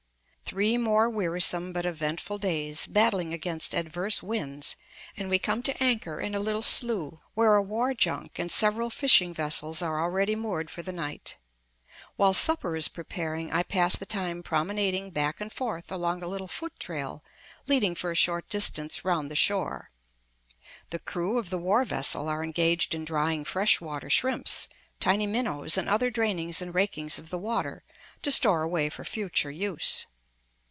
Three more wearisome but eventful days, battling against adverse winds, and we come to anchor in a little slough, where a war junk and several fishing vessels are already moored for the night. While supper is preparing I pass the time promenading back and forth along a little foot trail leading for a short distance round the shore. The crew of the war vessel are engaged in drying freshwater shrimps, tiny minnows, and other drainings and rakings of the water to store away for future use.